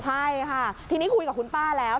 ใช่ค่ะทีนี้คุยกับคุณป้าแล้ว